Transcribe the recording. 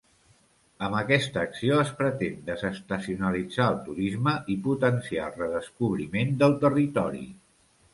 Amb aquesta acció es pretén desestacionalitzar el turisme i potenciar el redescobriment del territori.